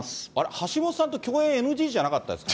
橋下さんと共演ＮＧじゃなかったですか？